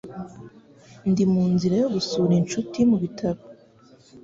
Ndi munzira yo gusura inshuti mubitaro.